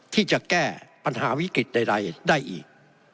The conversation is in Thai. ที่จะแก้ปัญหาวิกฤตใดได้อีก